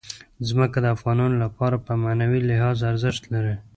ځمکه د افغانانو لپاره په معنوي لحاظ ارزښت لري.